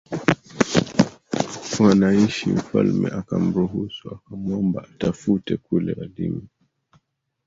wanaishi Mfalme akamruhusu akamwomba atafute kule walimu